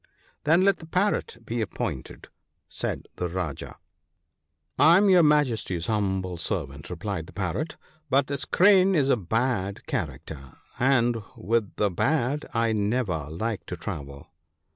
' Then let the Parrot be appointed/ said the Rajah. 'I am your Majesty's humble servant/ replied the Parrot ;' but this Crane is a bad character, and with the 94 THE BOOK OF GOOD COUNSELS. bad I never like to travel.